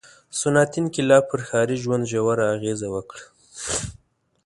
• صنعتي انقلاب پر ښاري ژوند ژوره اغېزه وکړه.